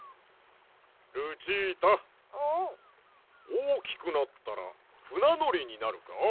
おおきくなったらふなのりになるか？